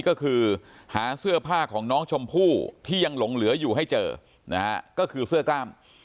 ก็คือหาเสื้อผ้าของน้องชมพู่ที่ยังหลงเหลืออยู่ให้เจอนะฮะก็คือเสื้อกล้าม